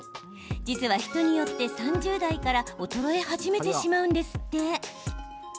実は、人によって３０代から衰え始めてしまうんですって。